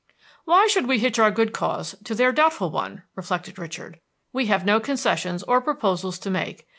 "Why should we hitch our good cause to their doubtful one?" reflected Richard. "We have no concessions or proposals to make.